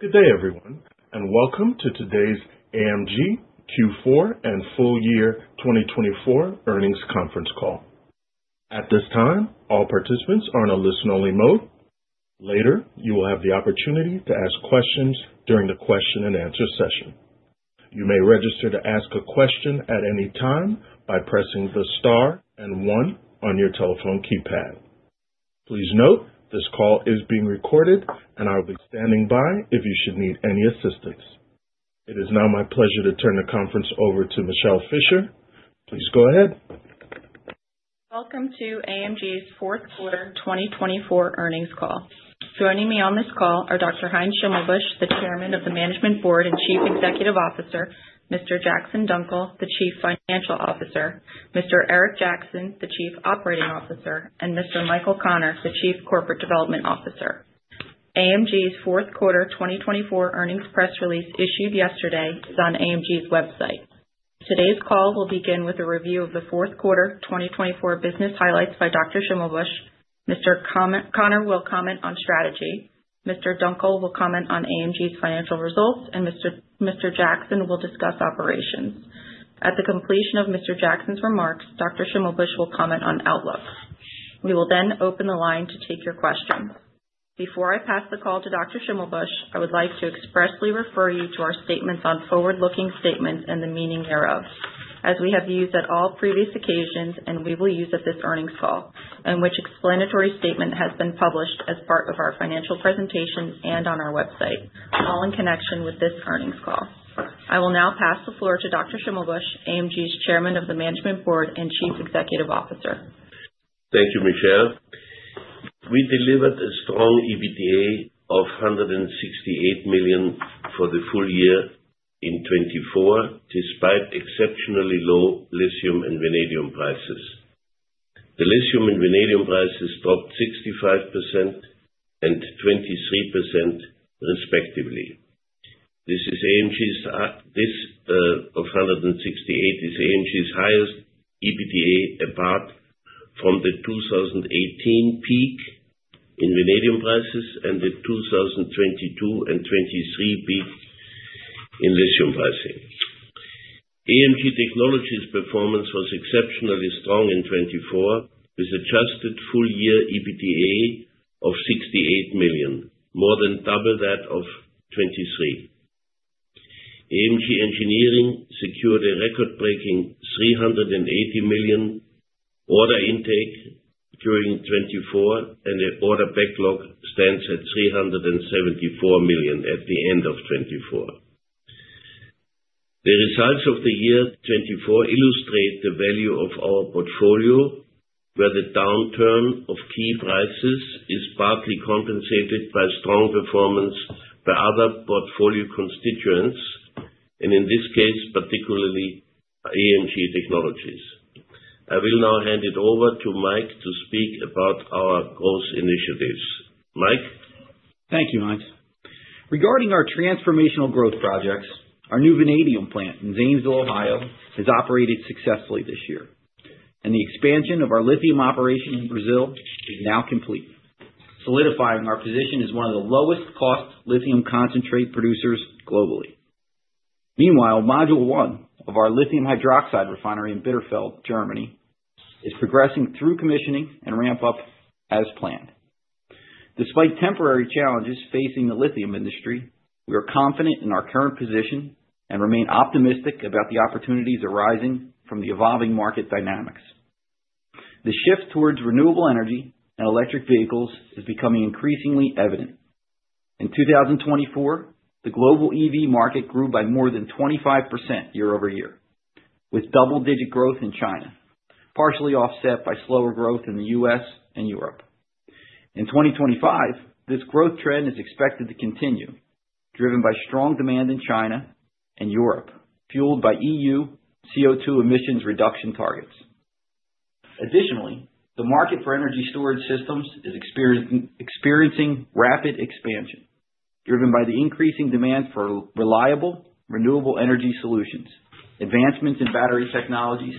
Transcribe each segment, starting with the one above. Good day, everyone, and welcome to today's AMG Q4 and full year 2024 earnings conference call. At this time, all participants are in a listen-only mode. Later, you will have the opportunity to ask questions during the question-and-answer session. You may register to ask a question at any time by pressing the star and one on your telephone keypad. Please note this call is being recorded, and I will be standing by if you should need any assistance. It is now my pleasure to turn the conference over to Michele Fischer. Please go ahead. Welcome to AMG's fourth quarter 2024 earnings call. Joining me on this call are Dr. Heinz Schimmelbusch, the Chairman of the Management Board and Chief Executive Officer. Mr. Jackson Dunckel, the Chief Financial Officer. Mr. Eric Jackson, the Chief Operating Officer. And Mr. Michael Connor, the Chief Corporate Development Officer. AMG's fourth quarter 2024 earnings press release, issued yesterday on AMG's website. Today's call will begin with a review of the fourth quarter 2024 business highlights by Dr. Schimmelbusch. Mr. Connor will comment on strategy. Mr. Dunckel will comment on AMG's financial results, and Mr. Jackson will discuss operations. At the completion of Mr. Jackson's remarks, Dr. Schimmelbusch will comment on outlook. We will then open the line to take your questions. Before I pass the call to Dr. I would like to expressly refer you to our statements on forward-looking statements and the meaning thereof, as we have used at all previous occasions and we will use at this earnings call, and which explanatory statement has been published as part of our financial presentation and on our website, all in connection with this earnings call. I will now pass the floor to Dr. Schimmelbusch, AMG's Chairman of the Management Board and Chief Executive Officer. Thank you, Michelle. We delivered a strong EBITDA of $168 million for the full year in 2024, despite exceptionally low lithium and vanadium prices. The lithium and vanadium prices dropped 65% and 23%, respectively. This 168 is AMG's highest EBITDA apart from the 2018 peak in vanadium prices and the 2022 and 2023 peak in lithium prices. AMG Technologies' performance was exceptionally strong in 2024, with adjusted full year EBITDA of $68 million, more than double that of 2023. AMG Engineering secured a record-breaking $380 million order intake during 2024, and the order backlog stands at $374 million at the end of 2024. The results of the year 2024 illustrate the value of our portfolio, where the downturn of key prices is partly compensated by strong performance by other portfolio constituents, and in this case, particularly AMG Technologies. I will now hand it over to Mike to speak about our growth initiatives. Mike. Thank you, Mike. Regarding our transformational growth projects, our new vanadium plant in Zanesville, Ohio, has operated successfully this year, and the expansion of our lithium operation in Brazil is now complete, solidifying our position as one of the lowest-cost lithium concentrate producers globally. Meanwhile, Module One of our lithium hydroxide refinery in Bitterfeld, Germany, is progressing through commissioning and ramp-up as planned. Despite temporary challenges facing the lithium industry, we are confident in our current position and remain optimistic about the opportunities arising from the evolving market dynamics. The shift towards renewable energy and electric vehicles is becoming increasingly evident. In 2024, the global EV market grew by more than 25% year over year, with double-digit growth in China, partially offset by slower growth in the US and Europe. In 2025, this growth trend is expected to continue, driven by strong demand in China and Europe, fueled by EU CO2 emissions reduction targets. Additionally, the market for energy storage systems is experiencing rapid expansion, driven by the increasing demand for reliable renewable energy solutions, advancements in battery technologies,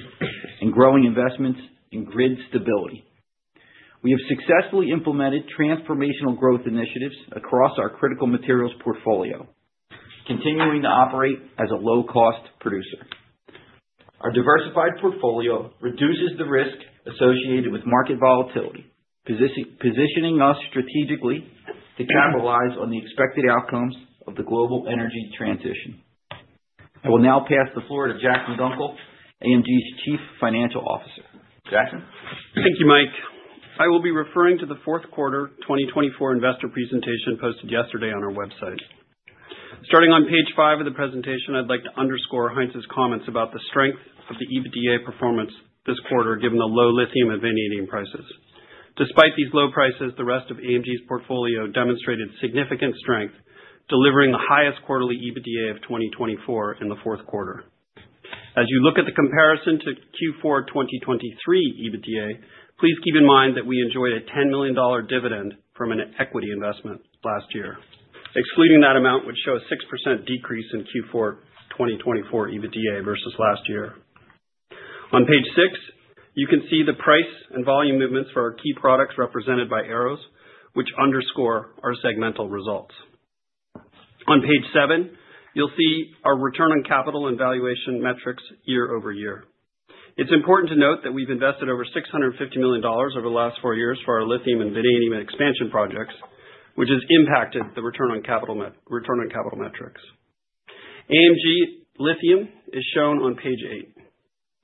and growing investments in grid stability. We have successfully implemented transformational growth initiatives across our critical materials portfolio, continuing to operate as a low-cost producer. Our diversified portfolio reduces the risk associated with market volatility, positioning us strategically to capitalize on the expected outcomes of the global energy transition. I will now pass the floor to Jackson Dunckel, AMG's Chief Financial Officer. Jackson? Thank you, Mike. I will be referring to the fourth quarter 2024 investor presentation posted yesterday on our website. Starting on page five of the presentation, I'd like to underscore Heinz's comments about the strength of the EBITDA performance this quarter, given the low lithium and vanadium prices. Despite these low prices, the rest of AMG's portfolio demonstrated significant strength, delivering the highest quarterly EBITDA of 2024 in the fourth quarter. As you look at the comparison to Q4 2023 EBITDA, please keep in mind that we enjoyed a $10 million dividend from an equity investment last year. Excluding that amount, we would show a 6% decrease in Q4 2024 EBITDA versus last year. On page six, you can see the price and volume movements for our key products represented by arrows, which underscore our segmental results. On page seven, you'll see our return on capital and valuation metrics year over year. It's important to note that we've invested over $650 million over the last four years for our lithium and vanadium expansion projects, which has impacted the return on capital metrics. AMG Lithium is shown on page eight.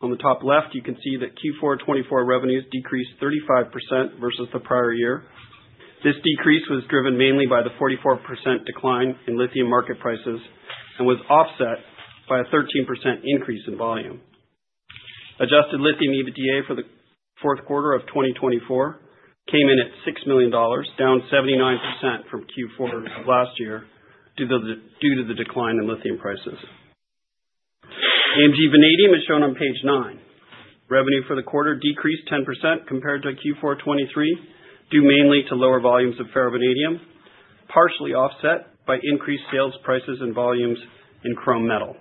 On the top left, you can see that Q4 2024 revenues decreased 35% versus the prior year. This decrease was driven mainly by the 44% decline in lithium market prices and was offset by a 13% increase in volume. Adjusted Lithium EBITDA for the fourth quarter of 2024 came in at $6 million, down 79% from Q4 last year due to the decline in lithium prices. AMG Vanadium is shown on page nine. Revenue for the quarter decreased 10% compared to Q4 2023, due mainly to lower volumes of ferrovanadium, partially offset by increased sales prices and volumes in chrome metal.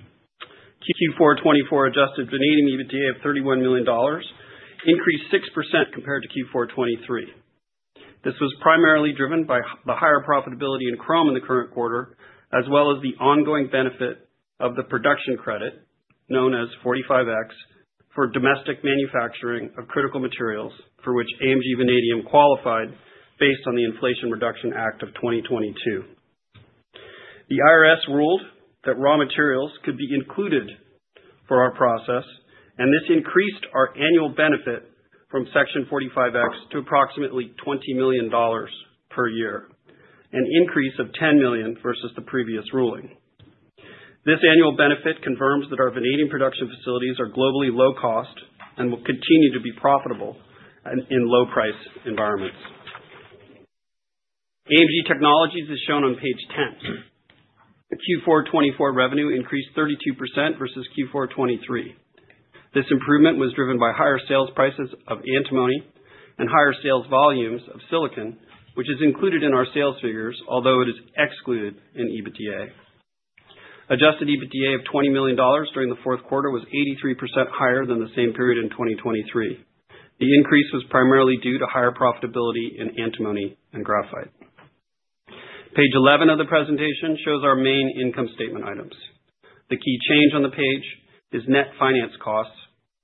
Q4 2024 Adjusted Vanadium EBITDA of $31 million increased 6% compared to Q4 2023. This was primarily driven by the higher profitability in chrome in the current quarter, as well as the ongoing benefit of the production credit, known as 45X, for domestic manufacturing of critical materials, for which AMG Vanadium qualified based on the Inflation Reduction Act of 2022. The IRS ruled that raw materials could be included for our process, and this increased our annual benefit from Section 45X to approximately $20 million per year, an increase of $10 million versus the previous ruling. This annual benefit confirms that our vanadium production facilities are globally low-cost and will continue to be profitable in low-price environments. AMG Technologies is shown on page 10. Q4 2024 revenue increased 32% versus Q4 2023. This improvement was driven by higher sales prices of antimony and higher sales volumes of silicon, which is included in our sales figures, although it is excluded in EBITDA. Adjusted EBITDA of $20 million during the fourth quarter was 83% higher than the same period in 2023. The increase was primarily due to higher profitability in antimony and graphite. Page 11 of the presentation shows our main income statement items. The key change on the page is net finance costs,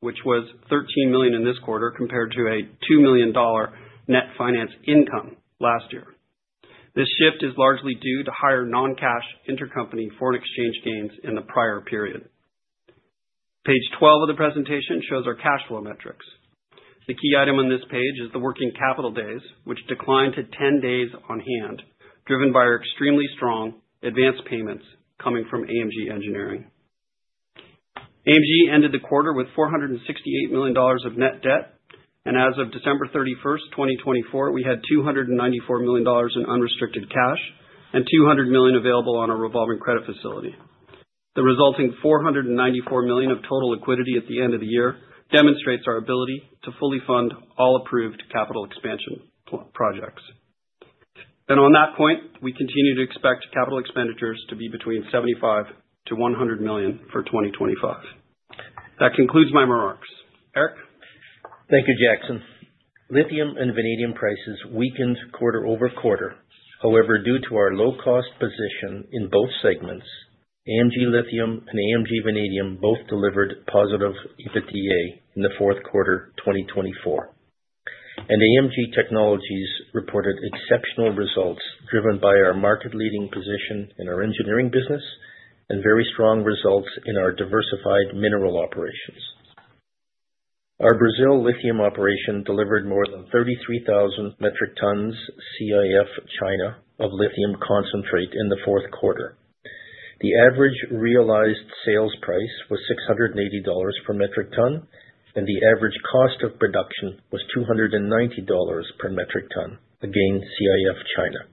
which was $13 million in this quarter compared to a $2 million net finance income last year. This shift is largely due to higher non-cash intercompany foreign exchange gains in the prior period. Page 12 of the presentation shows our cash flow metrics. The key item on this page is the working capital days, which declined to 10 days on hand, driven by our extremely strong advance payments coming from AMG Engineering. AMG ended the quarter with $468 million of net debt, and as of December 31, 2024, we had $294 million in unrestricted cash and $200 million available on our revolving credit facility. The resulting $494 million of total liquidity at the end of the year demonstrates our ability to fully fund all approved capital expansion projects. And on that point, we continue to expect capital expenditures to be between $75-$100 million for 2025. That concludes my remarks. Eric? Thank you, Jackson. Lithium and vanadium prices weakened quarter over quarter. However, due to our low-cost position in both segments, AMG Lithium and AMG Vanadium both delivered positive EBITDA in the fourth quarter 2024, and AMG Technologies reported exceptional results driven by our market-leading position in our engineering business and very strong results in our diversified mineral operations. Our Brazil lithium operation delivered more than 33,000 metric tons CIF China of lithium concentrate in the fourth quarter. The average realized sales price was $680 per metric ton, and the average cost of production was $290 per metric ton, again CIF China.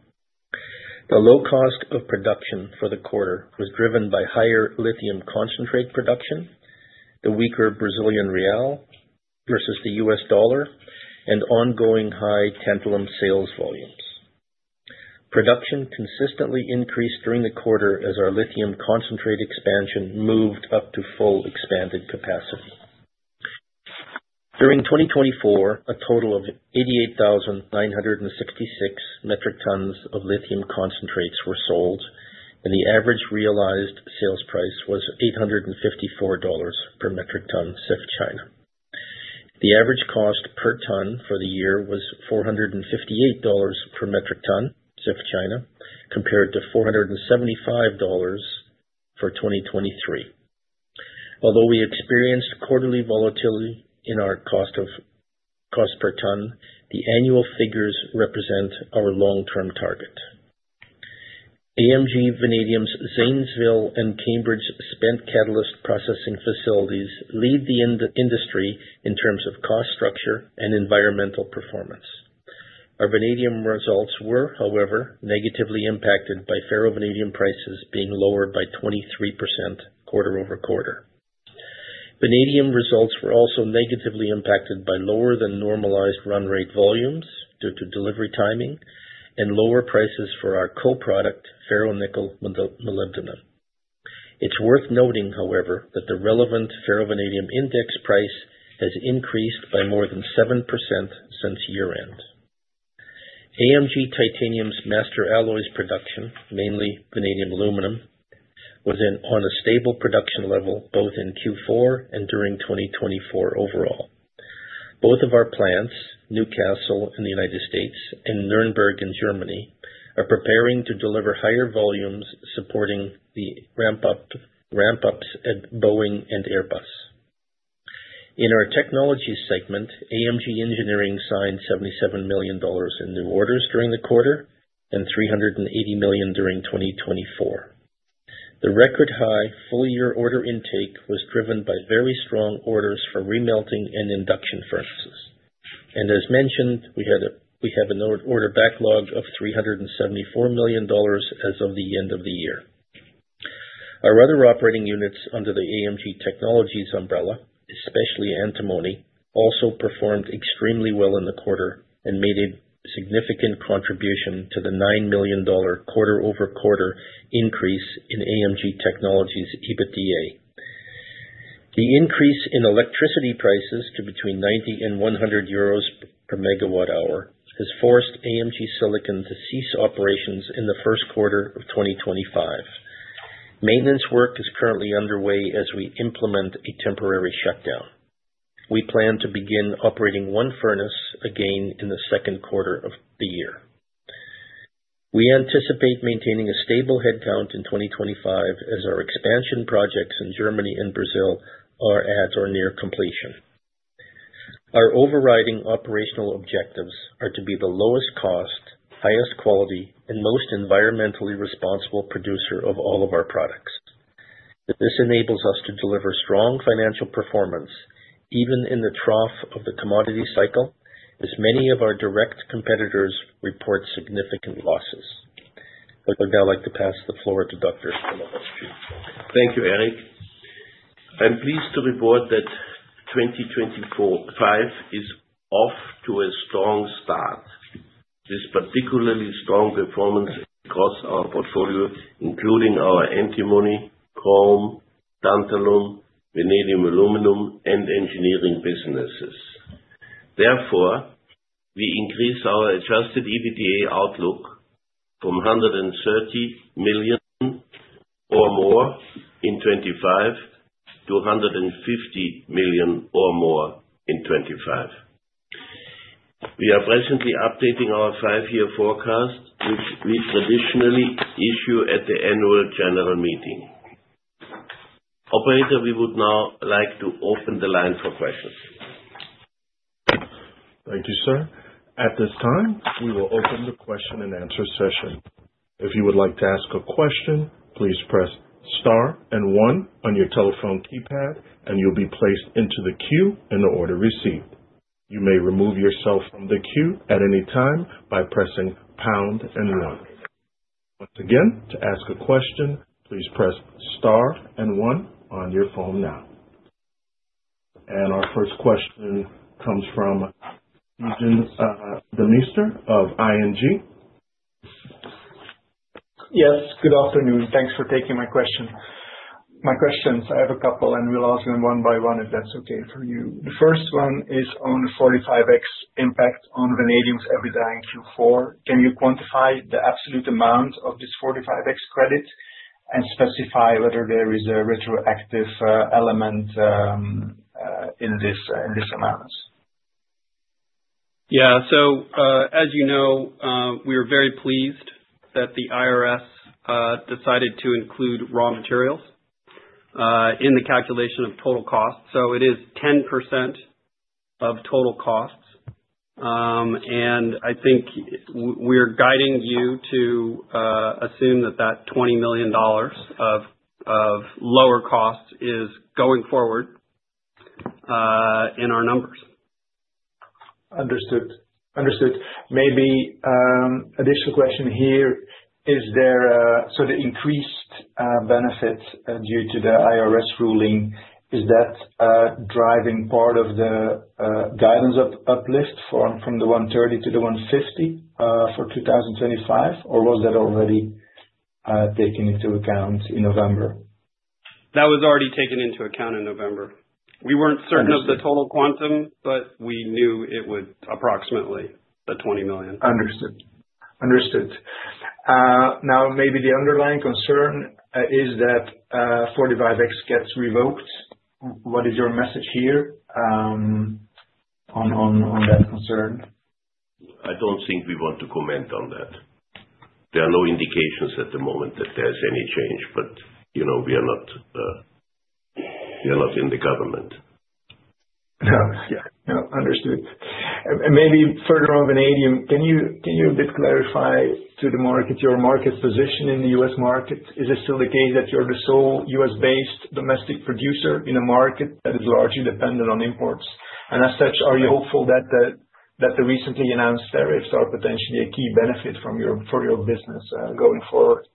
The low cost of production for the quarter was driven by higher lithium concentrate production, the weaker Brazilian real versus the US dollar, and ongoing high tantalum sales volumes. Production consistently increased during the quarter as our lithium concentrate expansion moved up to full expanded capacity. During 2024, a total of 88,966 metric tons of lithium concentrates were sold, and the average realized sales price was $854 per metric ton CIF China. The average cost per ton for the year was $458 per metric ton CIF China, compared to $475 for 2023. Although we experienced quarterly volatility in our cost per ton, the annual figures represent our long-term target. AMG Vanadium's Zanesville and Cambridge spent catalyst processing facilities lead the industry in terms of cost structure and environmental performance. Our vanadium results were, however, negatively impacted by ferrovanadium prices being lower by 23% quarter over quarter. Vanadium results were also negatively impacted by lower than normalized run rate volumes due to delivery timing and lower prices for our co-product ferronickel-molybdenum. It's worth noting, however, that the relevant ferrovanadium index price has increased by more than 7% since year-end. AMG Titanium's master alloys production, mainly vanadium aluminum, was on a stable production level both in Q4 and during 2024 overall. Both of our plants, Newcastle in the United States and Nürnberg in Germany, are preparing to deliver higher volumes supporting the ramp-ups at Boeing and Airbus. In our technology segment, AMG Engineering signed $77 million in new orders during the quarter and $380 million during 2024. The record high full-year order intake was driven by very strong orders for remelting and induction furnaces, and as mentioned, we have an order backlog of $374 million as of the end of the year. Our other operating units under the AMG Technologies umbrella, especially antimony, also performed extremely well in the quarter and made a significant contribution to the $9 million quarter-over-quarter increase in AMG Technologies' EBITDA. The increase in electricity prices to between 90 and 100 euros per megawatt-hour has forced AMG Silicon to cease operations in the first quarter of 2025. Maintenance work is currently underway as we implement a temporary shutdown. We plan to begin operating one furnace again in the second quarter of the year. We anticipate maintaining a stable headcount in 2025 as our expansion projects in Germany and Brazil are at or near completion. Our overriding operational objectives are to be the lowest cost, highest quality, and most environmentally responsible producer of all of our products. This enables us to deliver strong financial performance even in the trough of the commodity cycle, as many of our direct competitors report significant losses. I would now like to pass the floor to Dr. Schimmelbusch. Thank you, Eric. I'm pleased to report that 2025 is off to a strong start. This particularly strong performance across our portfolio, including our antimony, chrome, tantalum, vanadium aluminum, and engineering businesses. Therefore, we increase our Adjusted EBITDA outlook from $130 million or more in 2025 to $150 million or more in 2025. We are presently updating our five-year forecast, which we traditionally issue at the annual general meeting. Operator, we would now like to open the line for questions. Thank you, sir. At this time, we will open the question and answer session. If you would like to ask a question, please press star and one on your telephone keypad, and you'll be placed into the queue in the order received. You may remove yourself from the queue at any time by pressing pound and one. Once again, to ask a question, please press star and one on your phone now. And our first question comes from Stijn Demeester of ING. Yes, good afternoon. Thanks for taking my question. My questions, I have a couple, and we'll ask them one by one if that's okay for you. The first one is on the 45X impact on vanadium's EBITDA in Q4. Can you quantify the absolute amount of this 45X credit and specify whether there is a retroactive element in this amount? Yeah, so as you know, we are very pleased that the IRS decided to include raw materials in the calculation of total costs. So it is 10% of total costs. And I think we're guiding you to assume that that $20 million of lower costs is going forward in our numbers. Understood. Maybe additional question here. Is there sort of increased benefits due to the IRS ruling? Is that driving part of the guidance uplift from the 130 to the 150 for 2025, or was that already taken into account in November? That was already taken into account in November. We weren't certain of the total quantum, but we knew it was approximately the $20 million. Understood. Understood. Now, maybe the underlying concern is that 45X gets revoked. What is your message here on that concern? I don't think we want to comment on that. There are no indications at the moment that there's any change, but you know we are not in the government. Yeah, yeah, yeah, understood. And maybe further on vanadium, can you a bit clarify to the market your market position in the U.S. market? Is it still the case that you're the sole U.S.-based domestic producer in a market that is largely dependent on imports? And as such, are you hopeful that the recently announced tariffs are potentially a key benefit for your business going forward?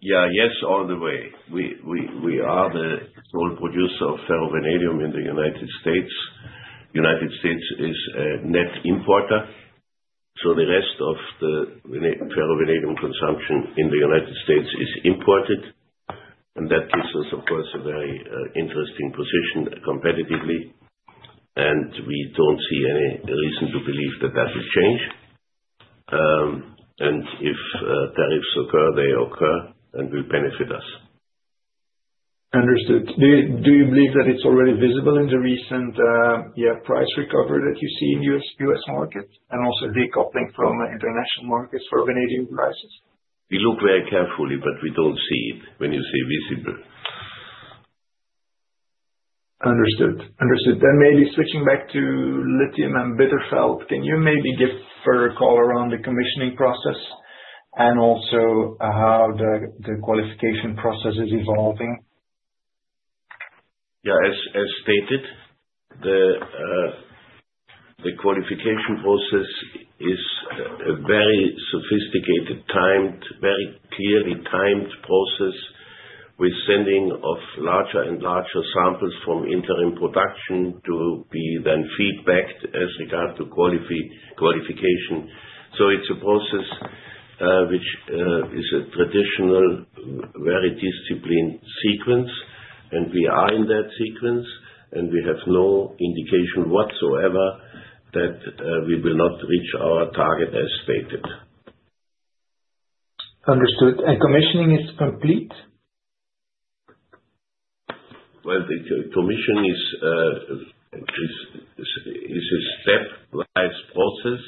Yeah, yes, all the way. We are the sole producer of ferrovanadium in the United States. The United States is a net importer. So the rest of the ferrovanadium consumption in the United States is imported. And that gives us, of course, a very interesting position competitively. And we don't see any reason to believe that that will change. And if tariffs occur, they occur and will benefit us. Understood. Do you believe that it's already visible in the recent price recovery that you see in the U.S. market and also decoupling from international markets for vanadium prices? We look very carefully, but we don't see it when you say visible. Understood. Understood. Then maybe switching back to lithium and Bitterfeld, can you maybe give a further color around the commissioning process and also how the qualification process is evolving? Yeah, as stated, the qualification process is a very sophisticated, very clearly timed process with sending of larger and larger samples from interim production to be then fed back as regards to qualification. So it's a process which is a traditional, very disciplined sequence, and we are in that sequence, and we have no indication whatsoever that we will not reach our target as stated. Understood. And commissioning is complete? The commission is a stepwise process.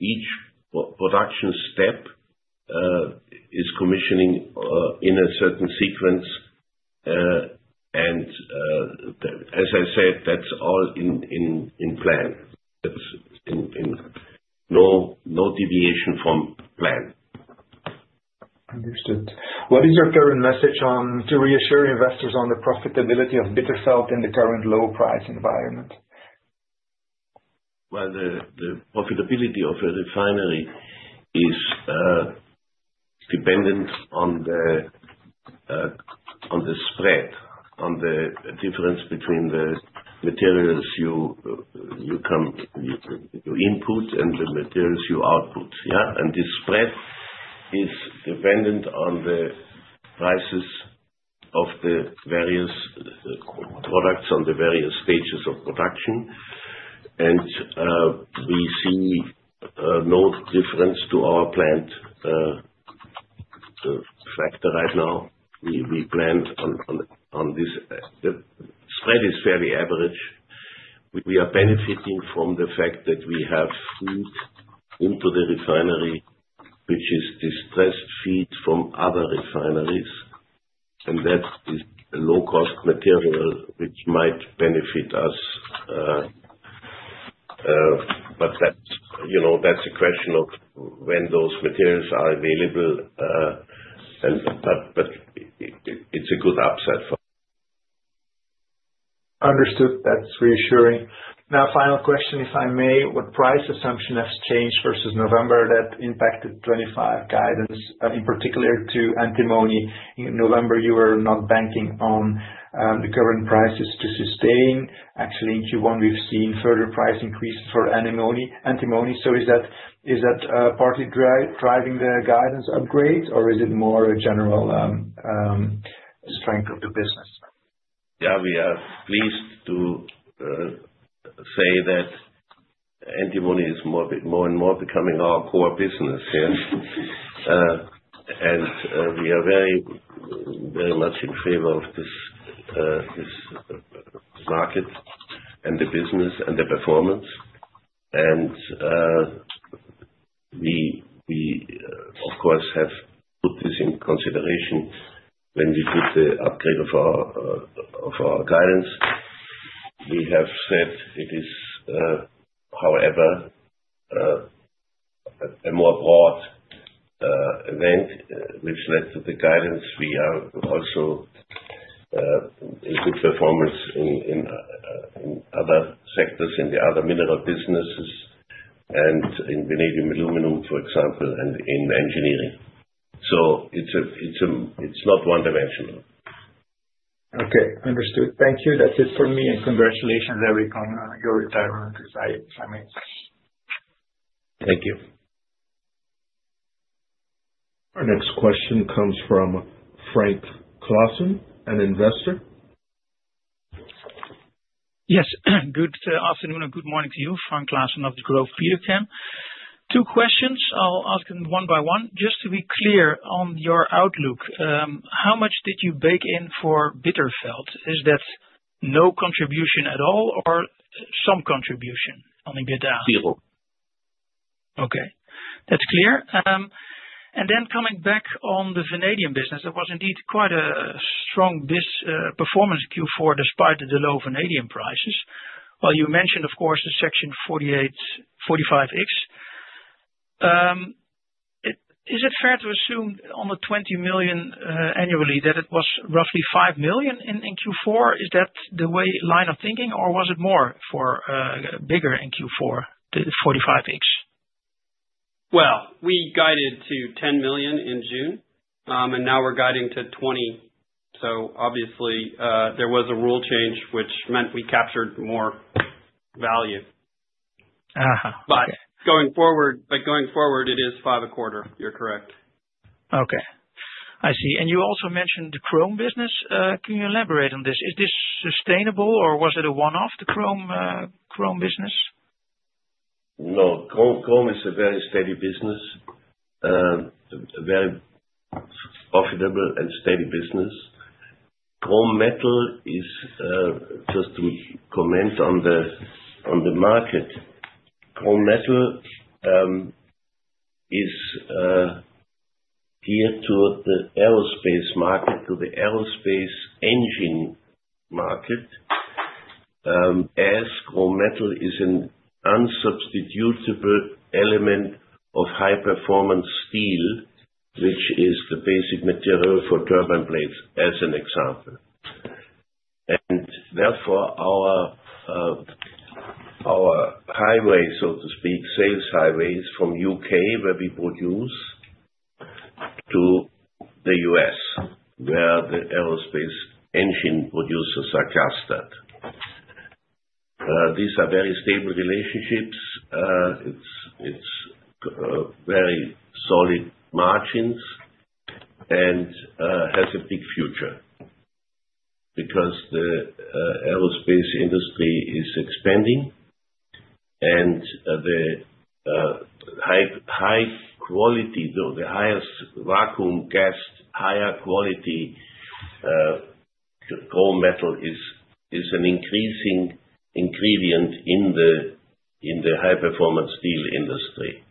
Each production step is commissioning in a certain sequence. As I said, that's all in plan. That's no deviation from plan. Understood. What is your current message on to reassure investors on the profitability of Bitterfeld in the current low-price environment? The profitability of a refinery is dependent on the spread, on the difference between the materials you input and the materials you output. Yeah, this spread is dependent on the prices of the various products on the various stages of production. We see no difference to our plant factor right now. We plan on this. The spread is fairly average. We are benefiting from the fact that we have feed into the refinery, which is distressed feed from other refineries. That's this low-cost material which might benefit us. That's a question of when those materials are available, but it's a good upside. Understood. That's reassuring. Now, final question, if I may, would price assumption have changed versus November that impacted 2025 guidance, in particular to antimony? In November, you were not banking on the current prices to sustain. Actually, in Q1, we've seen further price increases for antimony. So is that partly driving the guidance upgrades, or is it more a general strength of the business? Yeah, we are pleased to say that antimony is more and more becoming our core business here. And we are very much in favor of this market and the business and the performance. And we, of course, have put this in consideration when we did the upgrade of our guidance. We have said it is, however, a more broad event, which led to the guidance. We are also in good performance in other sectors, in the other mineral businesses, and in vanadium aluminum, for example, and in engineering. So it's not one-dimensional. Okay, understood. Thank you. That's it for me, and congratulations everyone on your retirement, if I may. Thank you. Our next question comes from Frank Claassen, an investor. Yes. Good afternoon or good morning to you, Frank Claassen of Degroof Petercam. Two questions. I'll ask them one by one. Just to be clear on your outlook, how much did you bake in for Bitterfeld? Is that no contribution at all or some contribution on the Bitterfeld? Zero. Okay. That's clear. Then coming back on the vanadium business, it was indeed quite a strong performance in Q4 despite the low vanadium prices. You mentioned, of course, the Section 45X. Is it fair to assume on the $20 million annually that it was roughly $5 million in Q4? Is that the line of thinking, or was it more or bigger in Q4, the 45X? We guided to $10 million in June, and now we're guiding to $20. Obviously, there was a rule change, which meant we captured more value. Going forward, it is five a quarter. You're correct. Okay. I see. And you also mentioned the chrome business. Can you elaborate on this? Is this sustainable, or was it a one-off, the chrome business? No, Chrome is a very steady business, a very profitable and steady business. Chrome metal is, just to comment on the market, Chrome metal is geared toward the aerospace market, to the aerospace engine market, as Chrome metal is an unsubstitutable element of high-performance steel, which is the basic material for turbine blades, as an example, and therefore, our highway, so to speak, sales highways from the U.K., where we produce, to the U.S., where the aerospace engine producers are clustered. These are very stable relationships. It's very solid margins and has a big future because the aerospace industry is expanding, and the high quality, the highest vacuum gas, higher quality Chrome metal is an increasing ingredient in the high-performance steel industry,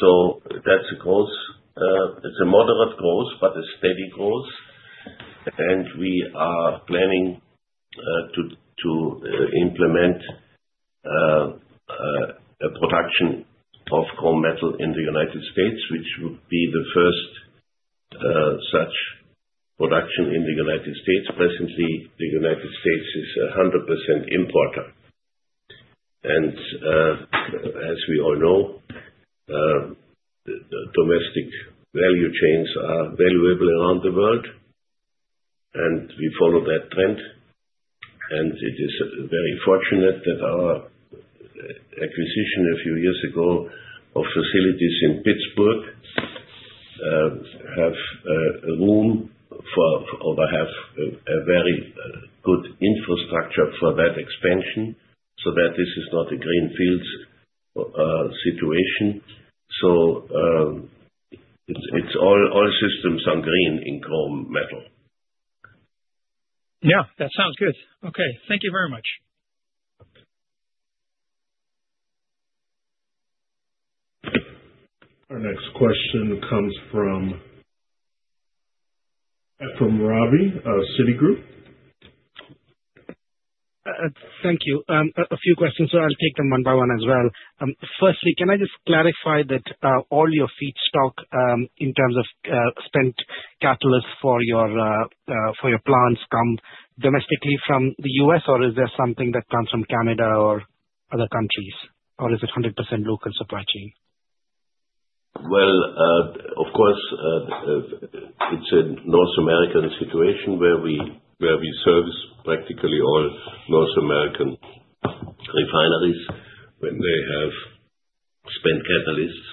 so that's a growth. It's a moderate growth, but a steady growth. We are planning to implement a production of chrome metal in the United States, which would be the first such production in the United States. Presently, the United States is a 100% importer. As we all know, domestic value chains are valuable around the world, and we follow that trend. It is very fortunate that our acquisition a few years ago of facilities in Pittsburgh has room for, or have a very good infrastructure for that expansion so that this is not a greenfield situation. It's all systems are green in chrome metal. Yeah, that sounds good. Okay. Thank you very much. Our next question comes from Ephrem Ravi of Citigroup. Thank you. A few questions, so I'll take them one by one as well. Firstly, can I just clarify that all your feedstock in terms of spent catalysts for your plants come domestically from the U.S., or is there something that comes from Canada or other countries, or is it 100% local supply chain? Of course, it's a North American situation where we service practically all North American refineries when they have spent catalysts.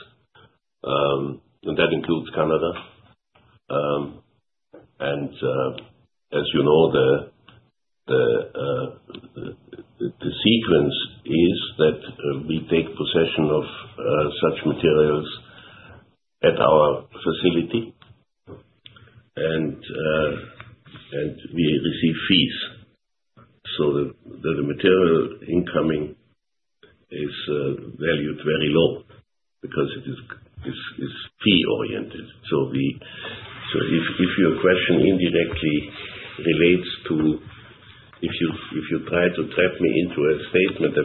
That includes Canada. And as you know, the sequence is that we take possession of such materials at our facility, and we receive fees. The material incoming is valued very low because it is fee-oriented. If your question indirectly relates to if you tried to trap me into a statement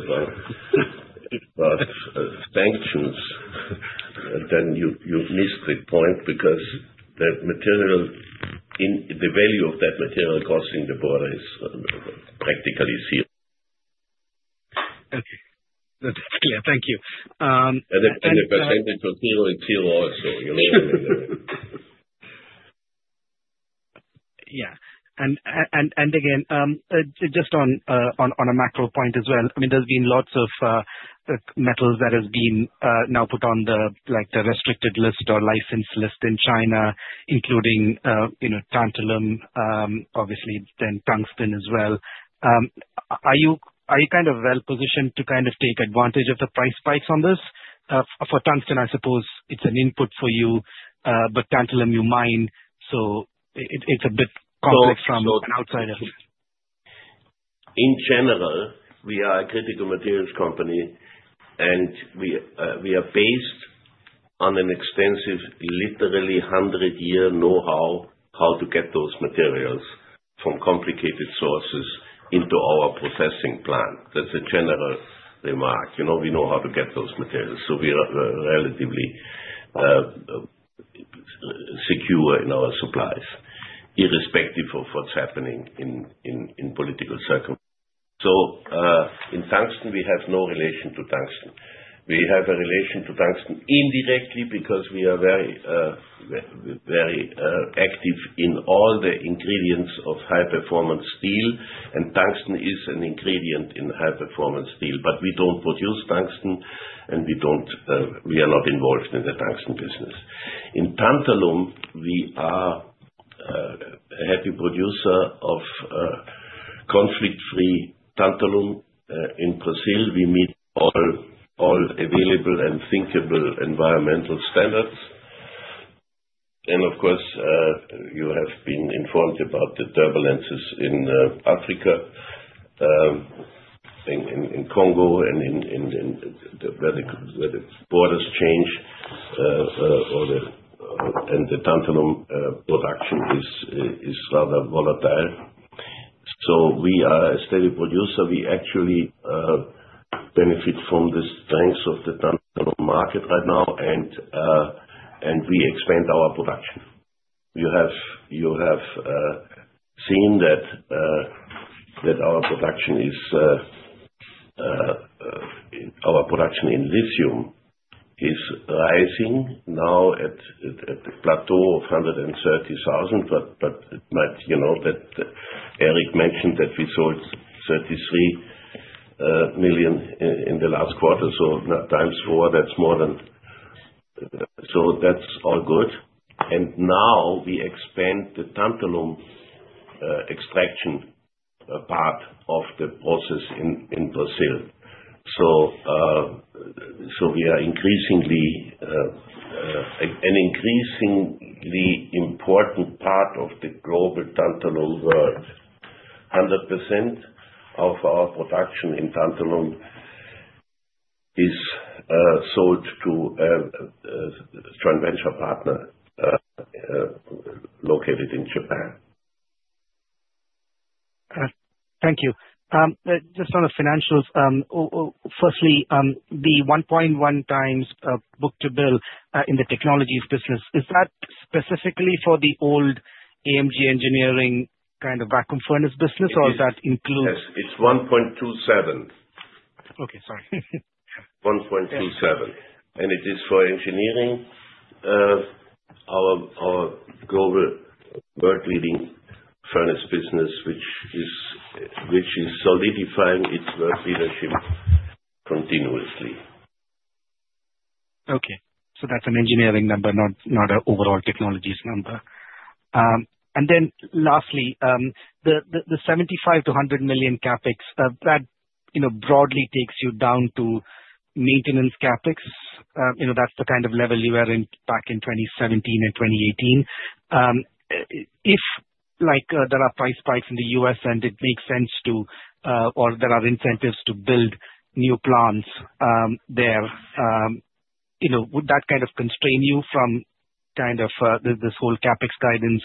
about sanctions, then you've missed the point because the value of that material crossing the border is practically zero. Okay. That's clear. Thank you. The percentage of zero is zero also, really. Yeah. And again, just on a macro point as well, I mean, there's been lots of metals that have been now put on the restricted list or licensed list in China, including tantalum, obviously, then tungsten as well. Are you kind of well-positioned to kind of take advantage of the price spikes on this? For tungsten, I suppose it's an input for you, but tantalum, you mine, so it's a bit complex from an outsider. In general, we are a critical materials company, and we are based on an extensive, literally 100-year know-how to get those materials from complicated sources into our processing plant. That's a general remark. We know how to get those materials, so we are relatively secure in our supplies, irrespective of what's happening in political circles. So in tungsten, we have no relation to tungsten. We have a relation to tungsten indirectly because we are very active in all the ingredients of high-performance steel, and tungsten is an ingredient in high-performance steel, but we don't produce tungsten, and we are not involved in the tungsten business. In tantalum, we are a heavy producer of conflict-free tantalum. In Brazil, we meet all available and thinkable environmental standards. Then, of course, you have been informed about the turbulences in Africa, in Congo, and the borders change, and the tantalum production is rather volatile. So we are a steady producer. We actually benefit from the strength of the tantalum market right now, and we expand our production. You have seen that our production in lithium is rising now at the plateau of 130,000, but it might be that Eric mentioned that we sold 33 million in the last quarter. So times four, that's more than so that's all good. And now we expand the tantalum extraction part of the process in Brazil. So we are increasingly an important part of the global tantalum world. 100% of our production in tantalum is sold to a joint venture partner located in Japan. Thank you. Just on the financials, firstly, the 1.1 times book-to-bill in the technologies business, is that specifically for the old AMG Engineering kind of vacuum furnace business, or is that included? Yes. It's 1.27. Okay. Sorry. 1.27. And it is for engineering, our global world-leading furnace business, which is solidifying its world leadership continuously. Okay, so that's an engineering number, not an overall technologies number, and then lastly, the $75 million-$100 million CapEx, that broadly takes you down to maintenance CapEx. That's the kind of level you were in back in 2017 and 2018. If there are price spikes in the U.S. and it makes sense to, or there are incentives to build new plants there, would that kind of constrain you from kind of this whole CapEx guidance?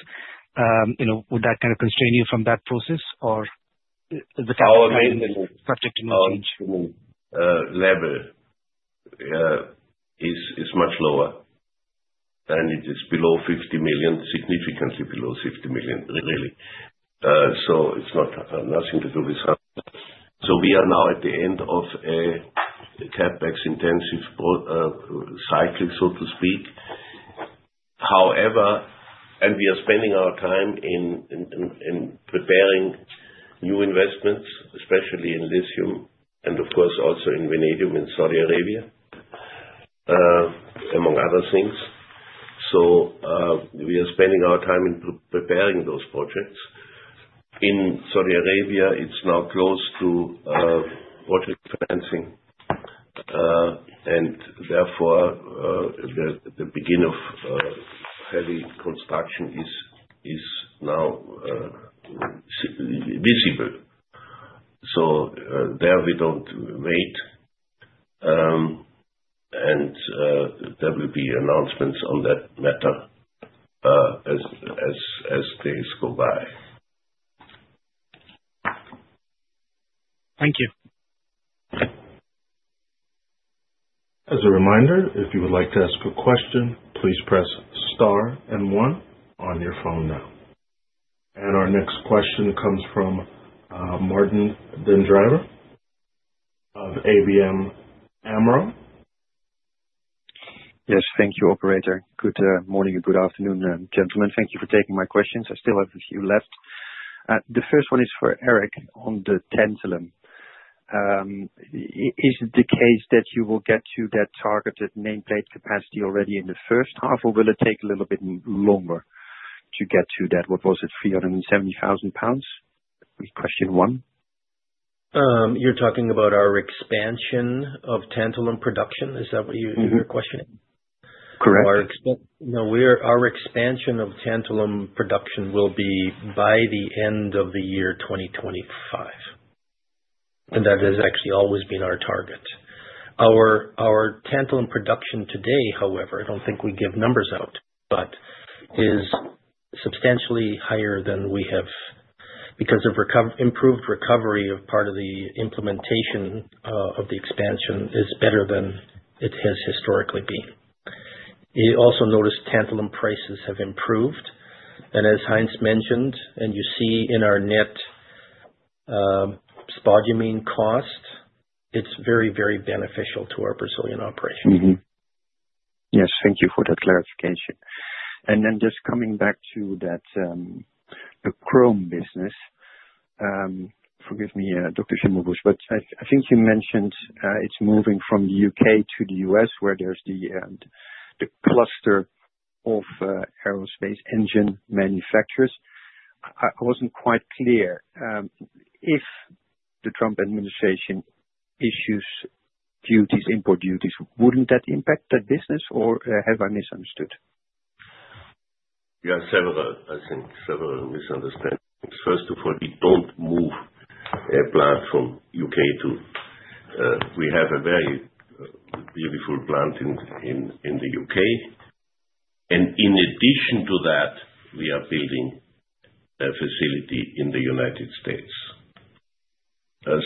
Would that kind of constrain you from that process, or is the CapEx guidance subject to more change? Oh, absolutely. Level is much lower. It is below $50 million, significantly below 50 million, really. So it's not nothing to do with. We are now at the end of a CapEx-intensive cycle, so to speak. However, and we are spending our time in preparing new investments, especially in lithium and, of course, also in vanadium in Saudi Arabia, among other things. So we are spending our time in preparing those projects. In Saudi Arabia, it's now close to project financing. And therefore, the beginning of heavy construction is now visible. So there we don't wait. And there will be announcements on that matter as days go by. Thank you. As a reminder, if you would like to ask a question, please press star and one on your phone now, and our next question comes from Martijn den Drijver of ABN AMRO. Yes. Thank you, Operator. Good morning and good afternoon, gentlemen. Thank you for taking my questions. I still have a few left. The first one is for Eric on the tantalum. Is it the case that you will get to that targeted nameplate capacity already in the first half, or will it take a little bit longer to get to that? What was it, 370,000 pounds? Question one. You're talking about our expansion of tantalum production? Is that what you're questioning? Correct. No, our expansion of tantalum production will be by the end of the year 2025. And that has actually always been our target. Our tantalum production today, however, I don't think we give numbers out, but is substantially higher than we have because of improved recovery of part of the implementation of the expansion is better than it has historically been. You also notice tantalum prices have improved. And as Heinz mentioned, and you see in our net spodumene cost, it's very, very beneficial to our Brazilian operation. Yes. Thank you for that clarification. And then just coming back to that chrome business, forgive me, Dr. Schimmelbusch, but I think you mentioned it's moving from the U.K. to the U.S., where there's the cluster of aerospace engine manufacturers. I wasn't quite clear. If the Trump administration issues duties, import duties, wouldn't that impact that business, or have I misunderstood? Yeah, several of those, I think several misunderstandings. First of all, we don't move a plant from U.K. to. We have a very beautiful plant in the U.K. And in addition to that, we are building a facility in the United States.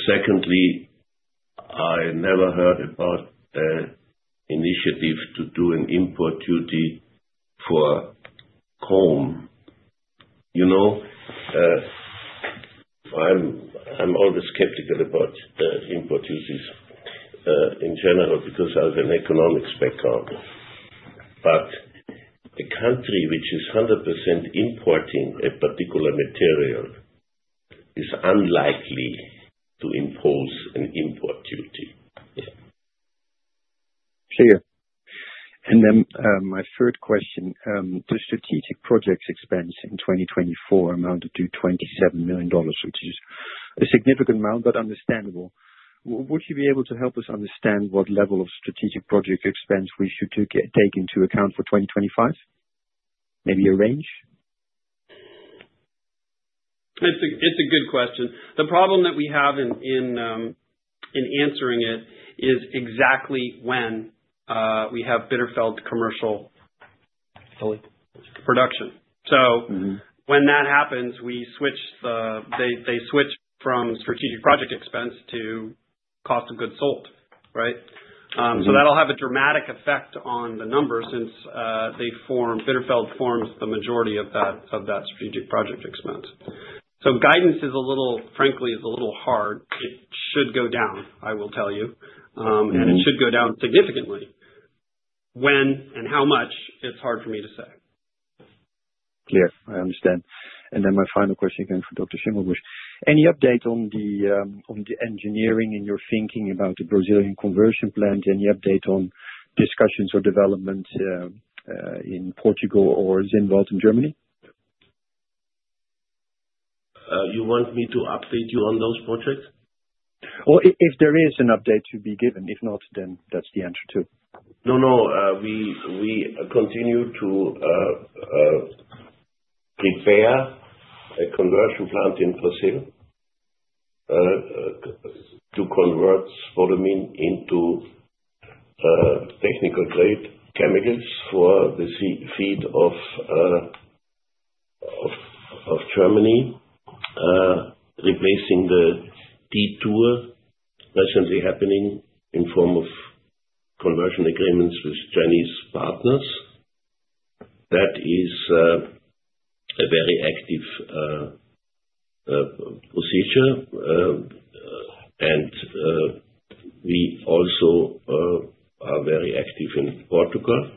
Secondly, I never heard about the initiative to do an import duty for chrome. I'm always skeptical about import duties in general because I have an economic spectrum. But a country which is 100% importing a particular material is unlikely to impose an import duty. Clear. And then my third question, the strategic projects expense in 2024 amounted to $27 million, which is a significant amount, but understandable. Would you be able to help us understand what level of strategic project expense we should take into account for 2025? Maybe a range? It's a good question. The problem that we have in answering it is exactly when we have Bitterfeld commercial production. So when that happens, they switch from strategic project expense to cost of goods sold, right? So that'll have a dramatic effect on the numbers since Bitterfeld forms the majority of that strategic project expense. So guidance, frankly, is a little hard. It should go down, I will tell you, and it should go down significantly. When and how much, it's hard for me to say. Clear. I understand. And then my final question again for Dr. Schimmelbusch. Any update on the engineering and your thinking about the Brazilian conversion plant? Any update on discussions or developments in Portugal or Zimbabwe and Germany? You want me to update you on those projects? Or if there is an update to be given. If not, then that's the answer too. No, no. We continue to prepare a conversion plant in Brazil to convert spodumene into technical-grade chemicals for the feed of Germany, replacing the detour recently happening in form of conversion agreements with Chinese partners. That is a very active position, and we also are very active in Portugal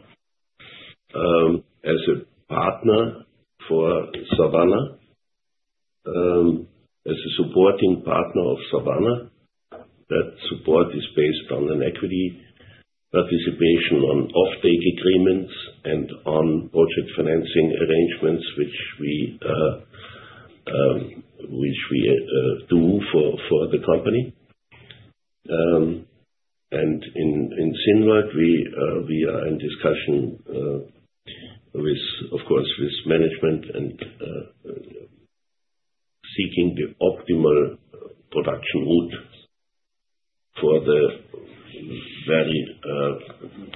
as a partner for Savannah, as a supporting partner of Savannah. That support is based on an equity participation on off-take agreements and on project financing arrangements, which we do for the company, and in Zimbabwe, we are in discussion, of course, with management and seeking the optimal production mode for the very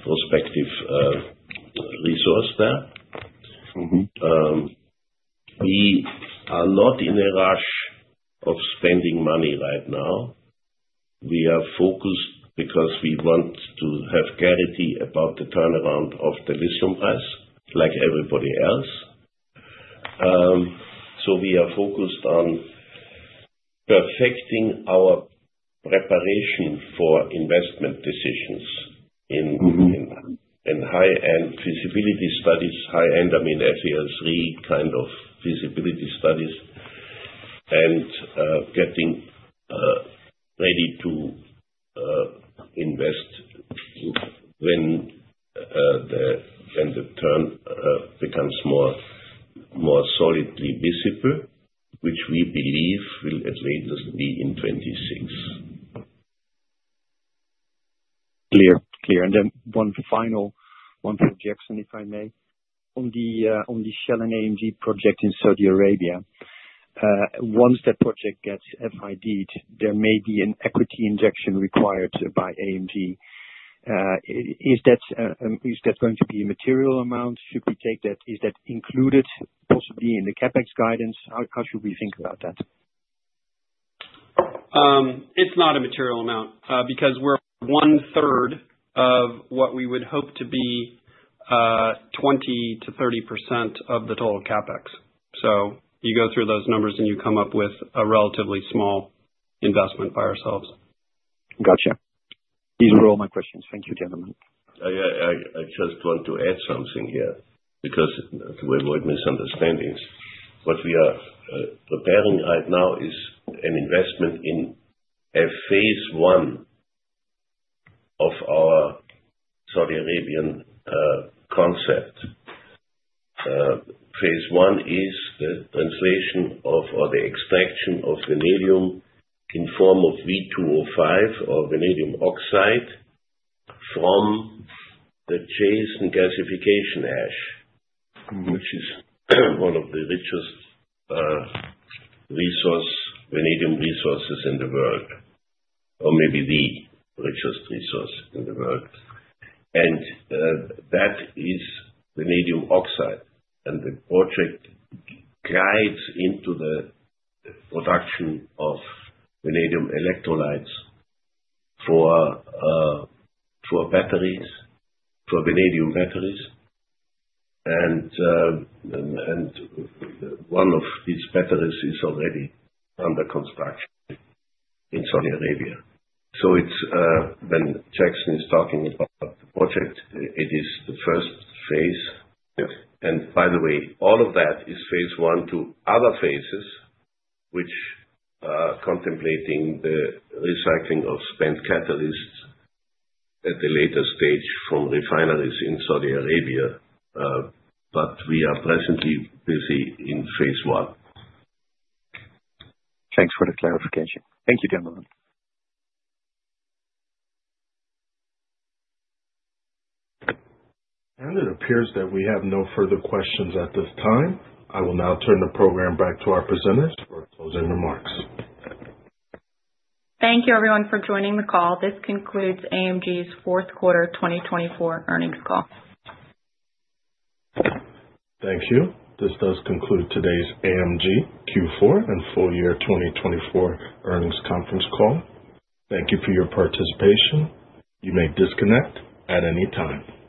prospective resource there. We are not in a rush to spend money right now. We are focused because we want to have clarity about the turnaround of the lithium price, like everybody else. We are focused on perfecting our preparation for investment decisions in high-end feasibility studies, high-end, I mean, FEL 3 kind of feasibility studies, and getting ready to invest when the turn becomes more solidly visible, which we believe will at least be in 2026. Clear. Clear. And then one final objection, if I may, on the Shell and AMG project in Saudi Arabia. Once that project gets FID'ed, there may be an equity injection required by AMG. Is that going to be a material amount? Should we take that? Is that included possibly in the CapEx guidance? How should we think about that? It's not a material amount because we're one-third of what we would hope to be 20%-30% of the total CapEx, so you go through those numbers and you come up with a relatively small investment by ourselves. Gotcha. These are all my questions. Thank you, gentlemen. I just wanted to add something here to avoid misunderstandings. What we are preparing right now is an investment in a phase one of our Saudi Arabian concept. Phase one is the translation of or the extraction of vanadium in form of V2O5 or vanadium oxide from the shale and gasification ash, which is one of the richest vanadium resources in the world, or maybe the richest resource in the world, and that is vanadium oxide, and the project guides into the production of vanadium electrolytes for vanadium batteries, and one of these batteries is already under construction in Saudi Arabia, so when Jackson is talking about the project, it is the first phase, and by the way, all of that is phase one, two other phases, which are contemplating the recycling of spent catalysts at the later stage from refineries in Saudi Arabia. But we are presently busy in phase one. Thanks for the clarification. Thank you, gentlemen. It appears that we have no further questions at this time. I will now turn the program back to our presenters for closing remarks. Thank you, everyone, for joining the call. This concludes AMG's fourth quarter 2024 earnings call. Thank you. This does conclude today's AMG Q4 and full year 2024 earnings conference call. Thank you for your participation. You may disconnect at any time.